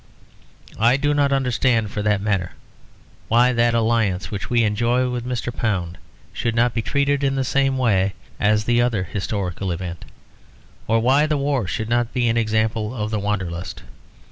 I do not understand, for that matter, why that alliance which we enjoy with Mr. Pound should not be treated in the same way as the other historical event; or why the war should not be an example of the Wanderlust.